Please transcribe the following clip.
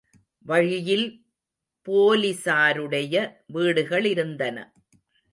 வழியில் போலிஸாருடைய வீடுகளிருந்தன.